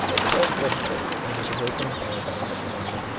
At past midnight I was awaked by a violent knocking.